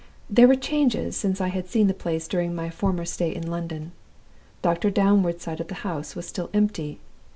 "There were changes since I had seen the place during my former stay in London. Doctor Downward's side of the house was still empty.